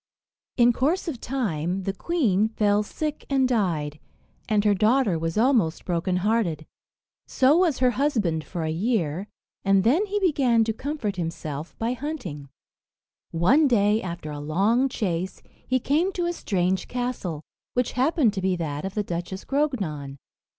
In course of time the queen fell sick and died, and her daughter was almost broken hearted. So was her husband for a year, and then he began to comfort himself by hunting. One day, after a long chase, he came to a strange castle, which happened to be that of the Duchess Grognon.